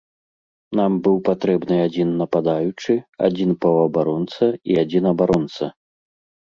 Нам быў патрэбны адзін нападаючы, адзін паўабаронца і адзін абаронца.